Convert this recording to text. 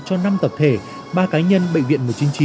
cho năm tập thể ba cá nhân bệnh viện một trăm chín mươi chín